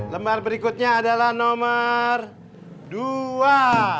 lembar berikutnya adalah nomor dua